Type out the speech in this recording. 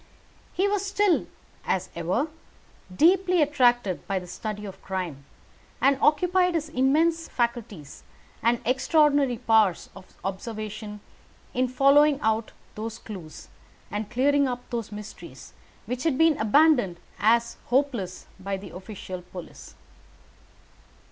He was still, as ever, deeply attracted by the study of crime, and occupied his immense faculties and extraordinary powers of observation in following out those clews, and clearing up those mysteries, which had been abandoned as hopeless by the official police.